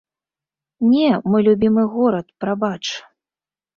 Не, мой любімы горад, прабач.